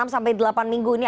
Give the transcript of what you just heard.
enam sampai delapan minggu ini